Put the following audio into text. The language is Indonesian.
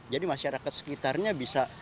jadi masyarakat sekitarnya bisa